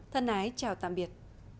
thân ái chào tạm biệt